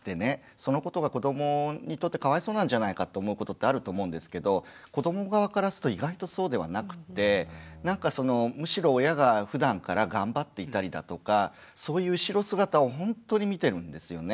そのことが子どもにとってかわいそうなんじゃないかって思うことってあると思うんですけど子ども側からすると意外とそうではなくってなんかそのむしろ親がふだんから頑張っていたりだとかそういう後ろ姿をほんとに見てるんですよね。